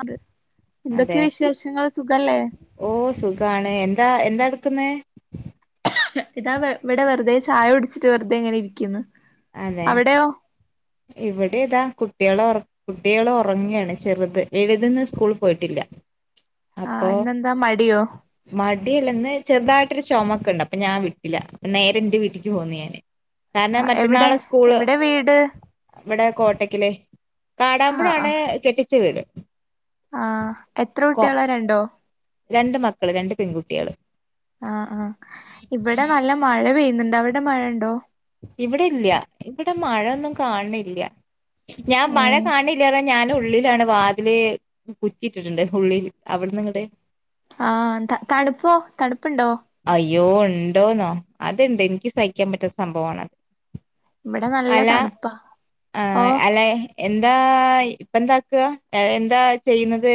അത് അതെ ഓ സുഖാണ് എന്താ എന്താ ടുക്കുന്നെ ഇതാ ഇവിടെ വെറുതെ ചായ ഒടിച്ചിട്ട് വെറുതെ ഇങ്ങനെ ഇരിക്കുന്നു അവിടെയോ ഇവിടെതാ കുട്ടികളെ കുട്ടികള് ഉറങ്ങിയാണ് ചെറുത് വെലുതിന്ന് സ്കുളി പോയിട്ടില്ല ആ അപ്പോ ഇന്നെന്താ മടിയോ മടില്ലന്ന് ചെറുതായിട്ടൊരു ചോമക്ണ്ട് അപ്പൊ ഞാൻ വിട്ടില്ല അപ്പ നേരെ എന്റെ വീട്ടി പോകന്ന് ഞാന് കാരണം ആ എവിടെ മറ്റന്നാള് സ്കൂള് എവിടെ വീട് ഇവിടെ കോട്ടക്കാല് ആ ആ കാടാമ്പുഴാണ് കെട്ടിച്ച വീട് ആ എത്ര കൊ കുട്ടികളാ രണ്ടോ രണ്ട് മക്കള് രണ്ട് പെൺകുട്ടികള് ആ ആ ഇവിടെ നല്ല മഴ മഴ പെയ്യുന്നുണ്ട് അവിടെ മഴ ഉണ്ടോ ഇവിടെല്ല ഇവിടെ മഴയൊന്നും കാണില്ല ഞാൻ ഏ മഴ കാണില്ല ഞാൻ ഉള്ളിലാണ് വാതില് കുറ്റിയിട്ടിട്ടുണ്ട് ഉള്ളിൽ അവിടുന്ന് ഇങ്ങട് ആ തണുപ്പോ തണുപ്പുണ്ടോ അയ്യോ ഉണ്ടോന്നോ അത്ണ്ട് എനിക്ക് സഹിക്കാൻ പറ്റുന്ന സംഭവാണ് ഇവിടെ നല്ലതണിപ്പാ ആ അല്ലെ എന്താ ഇപ്പ എന്താക്കുവ എന്താ ചെയ്യുന്നത്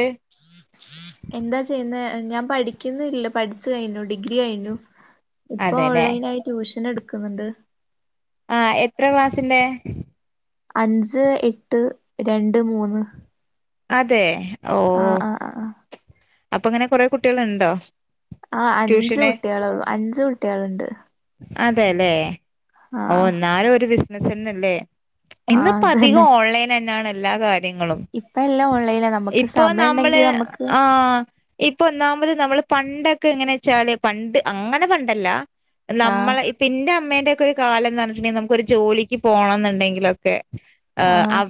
എന്താ ചെയ്യുന്ന ഞാൻ പഠിക്കുന്നില്ല പഠിച്ചു കഴിഞ്ഞു ഡിഗ്രി കഴിഞ്ഞു ഇപ്പൊ അതെല്ലേ ഓൺലൈൻ ആയി ട്യൂഷൻ എടുക്കുന്നുണ്ട് ആ എത്ര ക്ലാസ്സിന്റെ അഞ്ച് എട്ട് രണ്ട് മൂന്ന് അതെ ഓ ആ ആ ആ ആ അപ്പൊ അങ്ങനെ കൊറെ കുട്ടികൾ ഉണ്ടോ ആ അഞ്ചു കുട്ടികളേള്ളു അഞ്ചു കുട്ടികളുണ്ട് അതെല്ലെ ഓ ആഹ് ഒന്നാലും ഒരു ബിസിനാസ്ന്നല്ലേ ആഹ് ഇന്നിപ്പോ അത് അധികം തന്നെ ഓൺലൈൻ തന്നെയാണ് എല്ലാ കാര്യങ്ങളും ഇപ്പ എല്ലാം ഓൺലൈനാ നമുക്ക് ഇപ്പൊ സമയം ഉണ്ടെങ്കി നമ്മള് നമുക്ക് ആ ഇപ്പൊ ഒന്നാമത് നമ്മള് പണ്ടൊക്കെ എങ്ങനെ വെച്ചാല് പണ്ട് അങ്ങനെ പണ്ടല്ല ആഹ് നമ്മളെ പിന്റെ അമ്മ ഒരു കാലം എന്താ പറഞ്ഞിട്ടുണ്ടെങ്കിൽ നമുക്കൊരു ജോലിക്ക് പോണംന്നുണ്ടെങ്കിലൊക്കെ ആ ആഹ് ആ്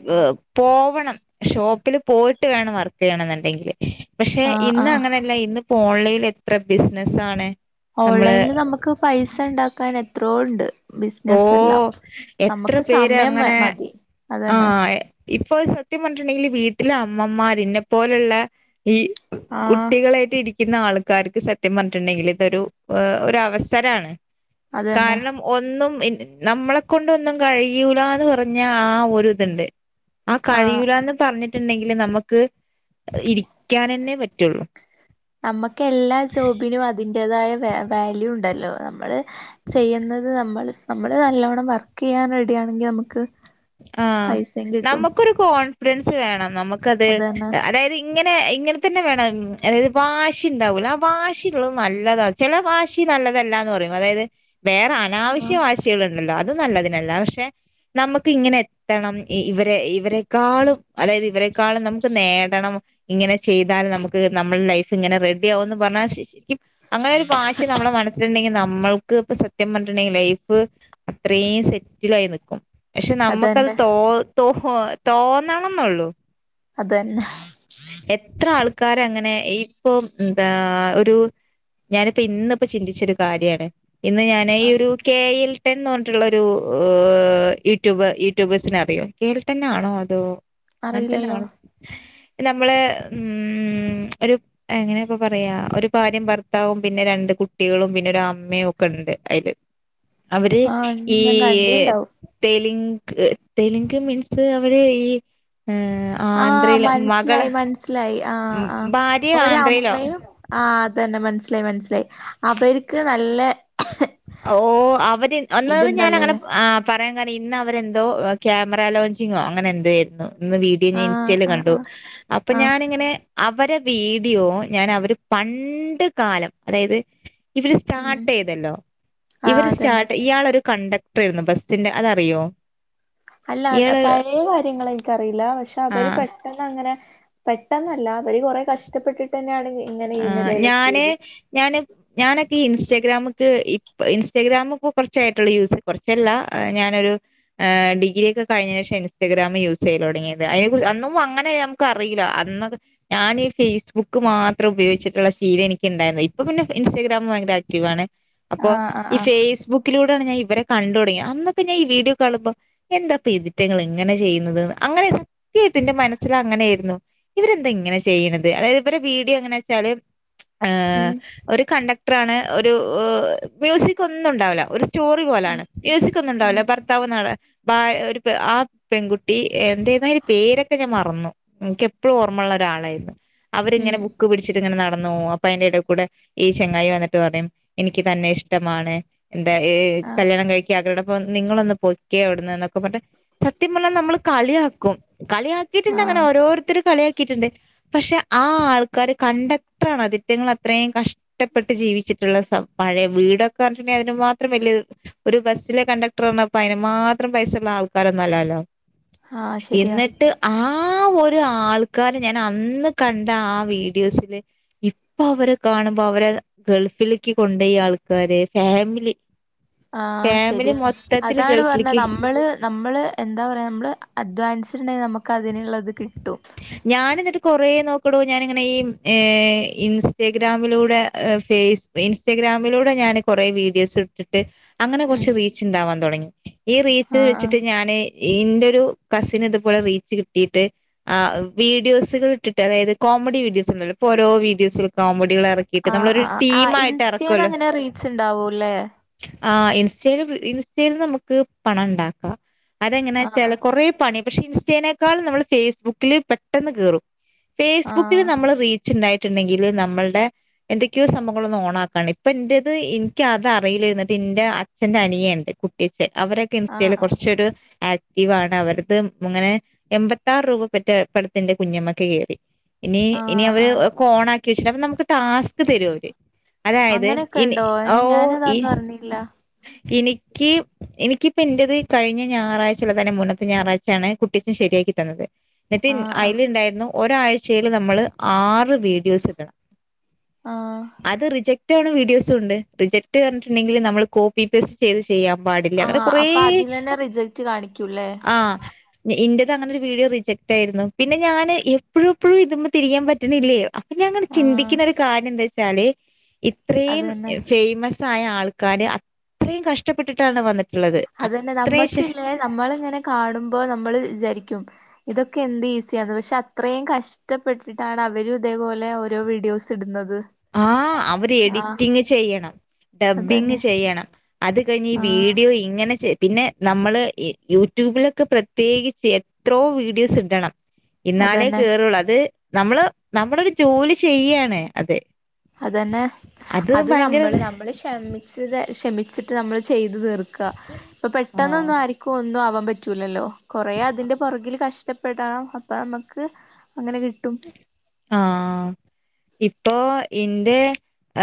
പോവണം ഷോപ്പില് പോയിട്ട് വേണം വർക്ക് ചെയ്യണ എന്നുണ്ടെങ്കില് പക്ഷെ ആഹ് ഇന്ന് ആഹ് അങ്ങനെല്ല ഇന്ന്പ്പോ ഓൺലൈൽ എത്ര ബിസിനസ് ആണ് ഓൺലൈനില് നമുക്ക് പൈസ ഉണ്ടാക്കാൻ എത്രയൊ ഉണ്ട് ഓ ബിസിനസ് എല്ലാം എത്ര നമുക്ക് പേര് സമയം അങ്ങനെ മതി ആ അതന്നെ ഇപ്പൊ സത്യം പറഞ്ഞട്ടുണ്ടെിൽ വീ അമ്മമാര് ഇന്നേ പോലുള്ള ഈ ആഹ് കുട്ടികളായിട്ട് ഇരിക്കുന്ന ആൾ ക്കാർക്ക് സത്യം പറഞ്ഞിട്ടുണ്ടെങ്കിൽ ഇതൊരു ഒരു അവസരാണ് അതന്നെ കാരണം ഒന്നും നമ്മളെ കൊണ്ടൊന്നും കഴിയൂലന്ന് പറഞ്ഞ ആ ഒരു ഇതുണ്ട് ആ ആഹ് കഴിയൂലന്ന് പറഞ്ഞിട്ടുണ്ടെങ്കിൽ നമുക്ക് ഇ നമ്മുക്ക് എല്ലാ ജോബിനും അതിന്റെതായ വാല്യൂ ഉണ്ടല്ലോ നമ്മള് ചെയ്യുന്നത് നമ്മൾ നമ്മള് നല്ലവണം വർക്ക് ചെയ്യാനട ണെങ്കിൽ നമുക്ക് [unintelligible] ആ പൈസയും കിട്ടും നമുക്കൊരു കോൺഫിഡൻസ് വേണം നമുക്കത് അതന്നെ അതായത് ഇങ്ങനെ ഇങ്ങനെ തന്നെ വേണം അതായത് വാശ ഉണ്ടാവൂല ആ ഭാശ ഉുള്ളത് നല്ലതാണ് ചില ഭാല്ല നല്ല പറ അതായത് വേറെ ആഹ് അനാവശ്യ വശികൾ ഉണ്ടല്ലോ അതും നല്ലതിനല്ല പക്ഷെ നമുക്ക് നമ ഇങ്ങനെ എത്തണം ഇവരെ ഇവരെക്കാളും അതായത് ഇവരെക്കാളും നമുക്ക് നേടണം ഇങ്ങനെ ചെയ്താലൽ നമുക്ക് നമ്മുടെ ലൈഫ് ഇങ്ങനെ റെഡി ആാവന്ന് പറഞ്ഞാ ശ അങ്ങനെ ഒരു ഭാശ്യ നമ്മള മനസ്സുണ്ടെങ്കിൽ നമ്മൾക്ക് ഇപ്പ സത്യം പറഞ്ഞിട്ടുണ്ടെങ്കിൽ ലൈഫ് അത്രയും സെറ്റിൽ ആയി നക്കും പക്ഷെ നമ്മുക്കത് അതന്നെ തോ തോ തോന്നണംെന്നള്ളു അതന്നെ എത്ര ആൾക്ക് ആക്കാര അങ്ങനെ ഇപ്പൊ എന്താ ഒരു ഞാനിപ്പോ ഇന്നിപ്പോ ചിന്തിച്ചരു കാര്യണ ഇന്ന് ഞാൻ ആ ഈ ഒരു കെയിൽടെൻന്ന് പറഞ്ഞിട്ടുള്ള ഒരു യടൂബ യൂട്യൂബേഴ്ിന അറിയോ കേൾട്ട തന്നൊണോ അതോ അങ്ങനെ തന്നെ അറിയില്ലല്ലോ ആണോ നമ്മള് ഉം ഉ ഒരു എങ്ങനെപ്പ പറയാ ഒരു ഭാര്യം ഭർത്താവും പിന്നെ രണ്ട് കുട്ടികളും പിന്നെ ഒരു അമ്മയും ഒക്കെ ണ്ട് അതില് അവര് ആഹ് ഈ ഞാൻ കണ്ടീണ്ടാവും തെലുങ്ക് തെലുങ്ക് മീൻസ് അവിടെ ഈ ഉ [inaudible] ആഹ് ആന്ധ്രയില് മകള് മനസ്സിലായി മനസ്സിലായി ആഹ ആ ഭാര്യ ഒരു ആന്ധ്രയിലോ അമ്മയും ആ് അതന്നെ മനസ് മനസിലായി മനസ്സിലായി അവർക്ക് നല്ല ഓ അവര് ഒന്നത് ഞാാന അങ്ങനെ ഇതുണ്ടല്ലോല്ലേ ആ പറയാൻ കാര് ഇന്ന് അവരെന്തോ ക്യാമറ ലോഞ്ചിങ്ങോ അങ്ങനെ എന്തോ ആരുന്നു ഇന്ന് വീഡിയോ ഞാൻ ആഹ് ഇൻസ്റ്റൽ ആഹ് കണ്ടു ആഹ് അപ്പൊ ആഹ് ഞാാനിങ്ങനെ അവരെ വീഡിയോ ഞാൻ അവര് പണ്ട കാലം അതായത് ഇവ ഉം സ്റ്റാർട്ട് ചെയ്തല്ലോ ആഹ് ഇവർ അതന്നെ സ്റ്റാർട്ട് ഇയാളൊ ഒരു കണ്ടക്ടർ ആരുന്നു ബസ്സിന്റെ അതറിയോ അല്ല ഇയാള് പഴയ കാര്യങ്ങൾ എനിക്കറിയില്ല. പക്ഷെ അവര് ആഹ് പെട്ടെന്ന് അങ്ങനെ പെട്ടെന്നല്ല അവര് കൊറെ കഷ്ടപ്പെട്ടിട്ട് തന്നെയാണെങ്ക ആ് ഞാന് ഞാന് ഞാനൊക്കെ ഇൻസ്റ്റഗ്രാമക്ക് ഇൻസ്റ്റാഗ്രാമ ഒക്കെ കുറച്ചായിട്ടുള്ള യൂസ്, കുറച്ചല്ല ഞാനൊരു ഡിഗ്രിയ ഒക്കെ കഴിഞ്ഞേഷം ഇൻസ്റ്റഗ്രാാം യൂസ് ചെയ്യ തുടങ്ങിയത് അന്നും അങ്ങനെ നമുക്ക് അറിയില്ല. എന്നത് ഞാനി ഫേസ് ബുക്ക് മാത്രം ഉപയോഗിച്ചിട്ടുള്ള ശീലം എനിക്കണ്ടായിരുന്നു. ഇപ്പൊ പിന്നെ ഇൻസ്റ്റഗ്രാാം ഭയങ്കര ആക്റ്റീവ ആണ്. അപ്പൊ ആഹ് ആഹ് ഈ ആഹ് ഫേസ്ബുക്കിലൂടെ ഞാൻ ഇവരെ കണ്ടു തുടങ്ങി, അന്നൊക്കെ ഞാൻ ഈ വീഡിയോ കാണുമ്പോ എന്താ ഇതിറ്റങ്ങൾ ഇങ്ങനെ ചെയ്യുന്നത്. അങ്ങനെ സത്യയിട്ട്ന്റെ മനസ്സിൽ അങ്ങനെയായിരുന്നു. ഇവരെന്താ ഇങ്ങനെ ചെയ്യണുന്നത് അതായത് ഇവര വീട് ങ്ങന വെച്ചാല് ഉം ഒരു കണ്ടക്ടറാണ് ഒരു മ്യൂസിക് ഒന്നും ഉണ്ടാവില്ല ഒരു സ്റ്റോറി ഉം പോലാണ് മ്യൂസിക്ക്‌ ഒന്നും ഉം ഉണ്ടാവല്ലോ ഭർത്താവ് നാ ആ ഒരു ആ പെൺകുട്ടി എന്ത ന്നാ പേരൊക്കെ ഞാൻ മറന്നു എപ്പോഴും ഓർമുള്ള ഒരാളായിരുന്നു അവരിങ്ങനെ ഉം പിടിച്ചിട്ട് ഇങ്ങനെ നടന്ന അപ്പൊ എന്റെ ഇട കൂടെ ഈ ചെങ്ങായി വന്നിട്ട് പറയും എനിക്ക് തന്നെ ഇഷ്ടമാണ് എന്താ ഈ ആഹ് കല്യാണം കഴിക്കാ അവരുടെപ്പ നിങ്ങളൊന്ന് പൊക്കെ അവിടന്ന് എന്നൊക്കെ പറഞ്ഞ് സത്യംമുള്ള നമ്മള് കളിയാക്കും. കളിയാക്കിട്ടുണ്ട് അങ്ങനെ ആഹ് ഓരോരുത്തർ കളിയാക്കി ണ്ട് പക്ഷെ ആ ആൾക്കാാര് കണ്ടക്ടർ ആണ അതിറ്റങ്ങ അത്രയും കഷ ഇഷ്ടപ്പെട്ട് ജീവിച്ചിട്ടുള്ള സം പഴയ വീടൊക്കെിട്ടുണ്ടെങ്കിൽ അതിന് മാത്രം വലിയ ഒരു ബസ്സിലെ കണ്ടക്ടർ ആണ്പ്പ അതിന് മാത്രം പൈസള്ള ആൾക്കാര് ഒന്നല്ലാല്ലോ. ആഹ് ശരിയാ എന്നിട്ട് ആ ആ ഒരു ആൾക്കാര് ഞാൻ അന്ന് കണ്ട ആ വീഡി ഡിയോസില ഇപ്പ അവരെ കാണുമ്പോ അവരെ ഗൾഫിലേക്ക് കൊണ്ട ആൾക്കാര് ഫാമ ി ആഹ ശരിയാ അതാണ് പറഞ്ഞ ഗൾഫിലേക്ക് നമ്മള് നമ്മള് എന്താ പറയാ നമ്മള് അധ്വാനി ട്ടുണ്ടെങ്കിൽ നമുക്ക് അതിനുള്ളത് കിട്ടും. ഞാന എന്നിട്ട് കൊറേ നോക്കടോ ഞാനിങ്ങനെ ഈ ഇൻസ്റ്റഗ്രാമിലൂടെ ഫേസ് ഇൻസ്റ്റഗ്രാമിലൂടെ ഞാന് കൊറെേ വീഡിയോസ് ഇട്ടിട്ട് അങ്ങനെ ഉം കുറച്ച് റീച്ച് ഉണ്ടാവാൻ തുടങ്ങി. ഈ റീച്ച് ആഹ് ആഹ് വെച്ചിട്ട് ഞാന് എന്റെ ഒരു കസിന് ഇതുപോലെ റീച്ച് കിട്ടീട്ട് ആ വീഡിയോസകൾ ഇട്ടിട്ട്, അതായത് കോമഡി വീഡിയോസ് ഉണ്ടല്ലോ ഇപ്പോഓരോ വീഡിയോസൽ കോമഡി ഡികള ഇറക്കിയിട്ട് ആഹ് നമ്മളൊരു ആഹ് ആഹ് ടീം ആഹ് ആയിട്ട് ഇൻസ്റ്റേന്ന് ഇറക്കല്ലോ. അങ്ങനെ റീൽസ് ഇണ്ടാവൂല്ലേ? ആ ഇൻസ്റ്റ ഇൻസ്റ്റല്നമുക്ക് പണം ഉണ്ടാക്കാം അതെങ്ങനെ ആഹ് ച ആഹ് കൊറേ പണി പക്ഷെ ഇൻസ്റ്റേനെ ക്കളും നമ്മൾ ഫേസ്ബുക്കിൽ പെട്ടെന്ന് കേറും. ആഹ് ഫേസ്ബുക്കില് നമ്മള് റീച്ച് ഉണ്ടായിട്ട് ണ്ടെങ്കിൽ നമ്മളുടെ എന്തൊക്കെയോ സംഭവങ്ങള ഒന്ന് ഓണാക്കാണ്, ഇപ്പൊ എന്റെത് എനിക്ക് അത അറിയില്ലി ര്ന്ന്ട്ട് എന്റെ അച്ഛന്റെ അനിയണ്ട് കുട്ടി ണ്ട് അവരൊക്കെ ആഹ് ഇൻസ്റ്റേല് ആഹ് കുറച്ചൊരു ആക്റ്റീവ് ആണ് അവർത് മറ്റ പടത്തിന്റെ കുഞ്ഞമൊക്കെ കയറി, ഇനി ഇനി ആഹ് അവര് ആഹ് ഒക്കെ ഓണ ക അപ്പ നമുക്ക് ടാസ്ക് തരു അവര് അതായത് ഇനി അങ്ങനെയൊക്കെണ്ടോ ഓ ഞാനതൊന്നും അറിഞ്ഞില്ല. ഈ എനിക്ക് എനിക്കിപ്പ എൻറത് കഴിഞ്ഞ ഞായറാഴ്ചുള്ള തന്നെ മുന്നത്തെ ഞായറാഴ്ചയാണ് കുട്ടീക്കും ശരിയാ ക്കിതന്നത് എന്നിട്ട് ആഹ് ആഹ് അതിൽുണ്ടായിരുന്നു ഒരാഴ്ചൽ നമ്മള് ആറ് വീഡിയോസ് ഇടണം. ആഹ് അത് റിജക്ട് റ്റവണവീഡിയോസ് ഉണ്ട് റിജക്ട് റിഞ്ഞിട്ടുണ്ടെങ്കിൽ നമ്മ കോപി പേസ്റ്റ് ചെയ് ചെയ്യാൻ പാടില്ല, അങ്ങനെ ആഹ് കൊറേ അപ്പൊ അതിലെന്നെ റിജക്റ്റ് കാണിക്കൂല്ലേ? ആ ഇന്റത് അങ്ങനെ ഒരു വീഡിയോ റിജക്റ്റ് ആയിരുന്നു. പിന്നെ ഞാന് എപ്പോഴും എപ്പോഴും ഇതമ്മ തിരിയാൻ പറ്റണില്ലേ ഞങ്ങ ആഹ് ചിന്തിക്കുന്ന ഒരു കാര്യം എന്താ വെച്ചാല് ഇത്രയും അതന്നെ ഫേമസ് സായ ആൾക്കാര് അത്രയും കഷ്ടപ്പെട്ടിട്ടാണ് വന്നിട്ട് അതന്നെ നമ്മക്കില്ലേ നമ്മളിങ്ങനെ കാണുമ്പോ നമ്മള് വിചാരിക്കും ഇതൊക്കെ എന്ത് ഈസിയാണ് പക്ഷെ അത്രയും കഷ്ടപ്പെട്ടിട്ടാണ് അവരും ഇതേപോലെ ഓരോ വീഡിയോസ് ഇടുന്നത് ആഹ അവര് ആഹ് എഡിറ്റിങ് ചെയ്യണം ഡബ്ബിങ് അതന്നെ ചെയ്യണം അത് കഴിഞ്ഞ് ഈ ആഹ് വീഡിയോ ഇങ്ങനെ പിന്നെ നമ്മള് യൂട്യൂബിലൊക്കെ പ്രത്യേകിച്ച് എത്രോ വീഡിയോസ് ഇടണം എന്നാലേ അതന്നെ കേയറുള്ളൂ അത് നമ്മള് നമ്മളൊരു ജോലി ചെയ്യാണ് അത് അതന്നെ അത് നമ്മള് നമ്മള് ക്ഷമിച്ച ക്ഷമിച്ചിട്ട് നമ്മള് ചെയ് തീർക്ക ഇപ്പ പെട്ടെന്നൊന്നും ആരിക്കും ഒന്നും ആവാൻ പറ്റൂലല്ലോ കൊറേ അതിന്റെ പുറകിൽ കഷ്ട ഷ്ടപ്പെടാന അപ്പൊ നമുക്ക് ആഹ ഇപ്പൊ എന്റെ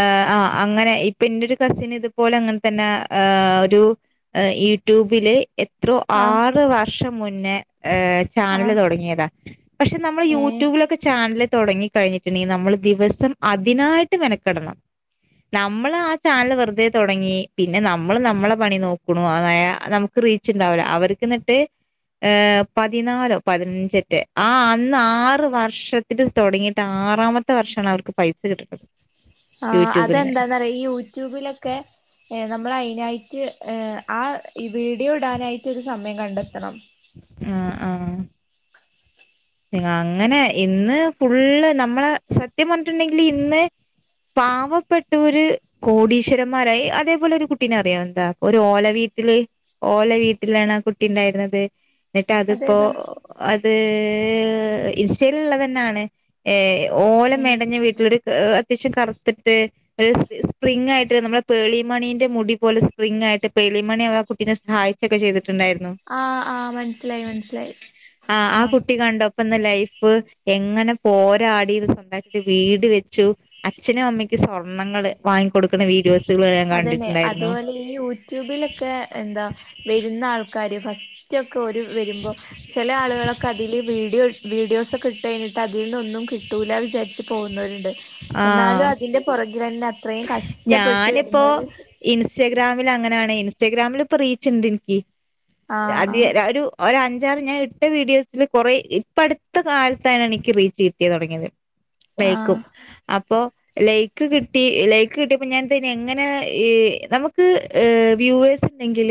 ആ ആ് അങ്ങനെ ഇപ്പൊ എന്റെ ഒരു കസിന് ഇതുപോലെ അങ്ങനെ തന്നെ ആ ഒരുഈ യൂട്യൂബിലെ എ എത്രോ ആഹ് ആറ് വർഷം മുന്നേ ചാനല് ആഹ് തുടങ്ങിയതാ പക്ഷെ നമ്മള് യൂ ഏഹ് യൂട്യൂബിലൊക്കെ ചാനല് തുടങ്ങി കഴിഞ്ഞിട്ടുണ്ടെങ്കിൽ നമ്മള് ദിവസം അതിനായിട്ട് മെനക്കിടണം നമ്മള് ആ ചാനൽ വെറുതെ തുടങ്ങി പിന്നെ നമ്മൾ നമ്മളെ പണി നോക്കണ അതായ നമുക്ക് റീച്ച് ഉണ്ടാവില്ല അവർക്ക്ന്നിട്ട് ഏ പതിനാലോ പതിനഞ്ചറ്റ് ആ അന്ന് ആ റവർഷത്തിന് തുടങ്ങിയിട്ട് ആറാമത്തെ വർഷമാണ് അവർക്ക് പൈസ കിട്ടണത് ആ അതെന്താന്ന റയാ ഈ യൂട്യൂബിലൊക്കെ നമ്മൾ അതിനായിട്ട് ഏ ആ വീഡിയോ ഇടാനായിട്ട് ഒരു സമയം കണ്ടെത്തണം ആ ആഹ അങ്ങനെ ഇന്ന് ഫുള്ള് നമ്മളെ സത്യം പറഞ്ഞിട്ടുണ്ടെങ്കില് ഇന്ന് പാവപ്പെട്ട ഒരു കോടീശ്വരന്മാരായി അതേപോലെ ഒരു കുട്ടീന അറിയാം എന്താ ഒരു ഓലവീട്ട വീട്ടില് ഓലെ വീട്ടിലാണ് ആ കുട്ടി ഉണ്ടായിരുന്നത് എന്നിട്ട് അതിപ്പോൊ അതേതാ? അത് ഇൺസ്റ്റയി ലുള്ളത് തന്നെയാണ് ഏ ഓല ഏഹ് മേടഞ്ഞ വീട്ടിലോട് അത്യാവശ്യം കറത്തിട്ട് സ്പ്രിംഗയിട്ട് നമ്മള് പേളിമണിന്റെ മുടി പോലെ സ്പ്രിംഗങ് ആയി് പേളിമണി ആ കുട്ടിനെ സഹായിച്ചൊക്കെ ചെയ്തിട്ട് ണ്ടായിരുന്നു ആഹ് ആഹ് മനസ്സിലായി മനസ്സിലായി ആ ആ കു ലൈ് എങ്ങനെ പോരാടത് സ്വന്തട്ട് വീട് വെച്ചു അച്ഛനുംമ്മ സ്വർണങ്ങ വാങ്ങിക്ക കൊടുക്കുന്ന വീഡി അതന്നെ അതുപോലെ ഈ യൂട്യൂബിലൊക്കെ എന്താ വരുന്ന ആൾക്ക കാര്യ ഫസ്റ്റ്ൊക്കെ ഒരു വരുമ്പോൾ ചില ആളുകളൊക്കെ അതിൽ വീഡിയോ വീഡിയോസൊക്കെ ഇട്ട് കഴിഞ്ഞ എന്നിട്ട് അതിൽ നിന്നൊന്നും കിട്ടൂല വിചാരിച്ച് പോകുന്നവരുണ്ട് എന്നാലും ആഹ് അതിന്റെ പുറകിൽ തന്നെ അത്രയും കഷ്ടപ്പെട്ട് ഞാനിപ്പോ ഇടുന്നവര് ഇൻസ്റ്റഗ്രാമിൽ അങ്ങനെയാണ് ഇൻസ്റ്റാഗ്രാമിൽ ഇപ്പോ റീച്ച് ഇണ്ട് നിക്ക് ആഹ് അധ ആഹ് ഒരു ഒ ര അഞ്ച് ആർ ഞാൻ ഇട്ട വീഡിയോസൽ കുറെ ഇപ്പ അടുത്ത കാലത്താണ് എനിക്ക് റീച്ച് കിട്ടിയ തുടങ്ങിയത് ആഹ അപ്പോ ലൈക്ക് കിട്ടി ലൈക്ക് കിട്ടിയപ്പോ ഞാൻെ എങ്ങനെ നമുക്ക് വ്യൂവേസ് ണ്ടെങ്കിൽ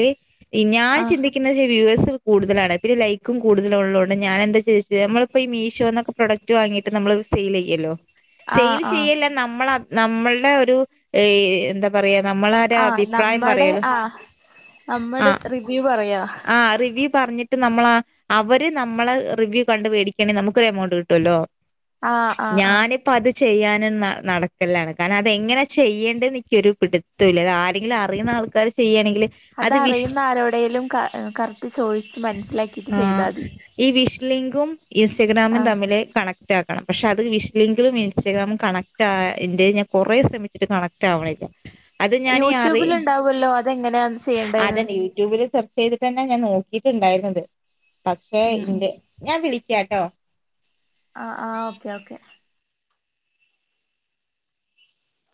ഞാൻ ആഹ് ചിന്തിക്കുന്നേ [unintelligible] കൂടുതലാണ് പിന്നെ ലൈക്കും കൂടുതല ആണ് ഞൻ എന്താെരി നമ്മിപ്പോൾ ഈ മീഷോ ന്നൊക്കെ പ്രൊഡക് വങ്ങിയിട്ട് നമ്മൾ സയിൽ ചെയ്യല്ലോ സെയിൽ ആഹ് ആഹ് ചെയ്യല്ല നമ്മള നമ്മളുടെ ഒരു എന്താ പറയാ നമ്മളരു ആഹ് അഭിപ്രായം നമ്മടെ പറയൂളു ആഹ് നമ്മടെ ആഹ റിവ്യൂ പറയാ ആ റിവ്യ പറഞ്ഞിട്ട് നമ്മള അവര് നമ്മളെ റിവ്യൂ കണ്ട് വേടിക്കണെൽ നമുക്ക്ൊ ഒരു എമൗണ്ട് കിട്ടുമല്ലോ ആഹ് ആഹ് ആഹ് ത് ചെയ്യാനും നടക്കലാണ് കാരണം അതെങ്ങനെ ചെയ്യേണ്ടത്ന്ന് എനിക്കൊ ഒരു പിടുത്തല്ല അത് ആരെങ്കിലും അറിയ ആൾക്കർ ചെയ്യാ അത് വിശ് അതറിയുന്ന ആരോടേലും ക കറക്റ്റ് ചോയിച്ച് മനസ്സിലാക്കിട്ട് ആ ചെയ്താതി ഈ വി ലിങ്കും ഇൻസ്റ്റഗ്രാമും ആഹ് തമ്മിൽ കണക്ട് ആക്കണം പക്ഷെ അത് വി [unintelligible] ഇൻസ്റ്റാഗ്രാമും കണക്റ്റ് ആ ഇന്റെ ഞാൻ കുറേ ശ്രമിച്ചിട്ട് കണക്ട് ആവണില്ല അത് ഞാൻ അറി യൂട്യൂബിലുണ്ടാവല്ലോ അതെങ്ങനെയാ ചെയ്യേണ്ടേന്ന് അതന്നെ യൂട്യൂബിൽ സെർച്ച് ചെയ്തിട്ട് തന്നെ ഞാൻ നോ- കീ ട്ടുണ്ടായിരുന്നത് പക്ഷെ ഉം ഉം ഇന്റെ ഞാൻ വിളിക്കാട്ടോ ആ ആ ഓക്കെ ഓക്കെ